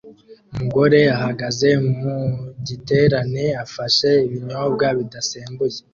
Umugore ahagaze mu giterane afashe ibinyobwa bidasembuye